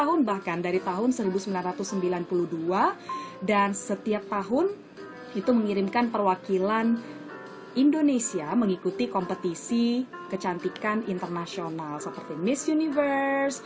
nah berbicara mengenai putri indonesia putri indonesia putri indonesia putri indonesia putri indonesia putri indonesia putri indonesia putri indonesia putri indonesia putri indonesia putri indonesia putri indonesia putri indonesia putri indonesia putri indonesia putri indonesia putri indonesia putri indonesia puji